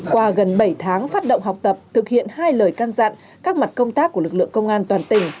qua gần bảy tháng phát động học tập thực hiện hai lời can dặn các mặt công tác của lực lượng công an toàn tỉnh